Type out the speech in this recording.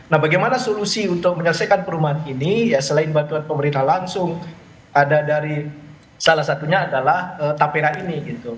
nah bagaimana solusi untuk menyelesaikan perumahan ini ya selain bantuan pemerintah langsung ada dari salah satunya adalah tapera ini